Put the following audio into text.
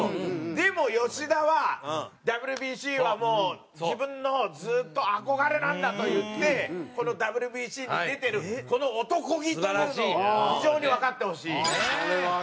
でも吉田はＷＢＣはもう自分のずっと憧れなんだといってＷＢＣに出てるこの男気というのを非常にわかってほしい。